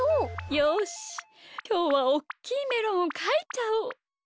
よしきょうはおっきいメロンをかいちゃおう。